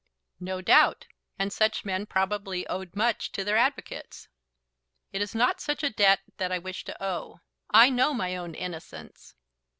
"No doubt; and such men have probably owed much to their advocates." "It is not such a debt that I wish to owe. I know my own innocence."